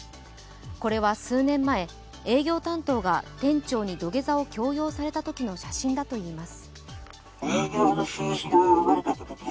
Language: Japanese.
これは数年前、営業担当が店長に土下座を強要されたときの写真だといいます。